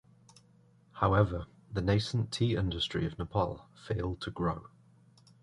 However, the nascent tea industry of Nepal failed to grow.